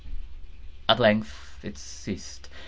At length it ceased.